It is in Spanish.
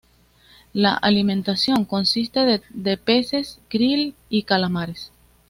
La alimentación consiste de peces, kril y calamares.